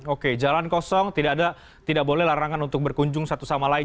oke jalan kosong tidak boleh larangan untuk berkunjung satu sama lain